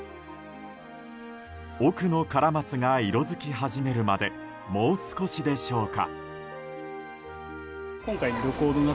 奥のカラマツが色づき始めるまでもう少しでしょうか。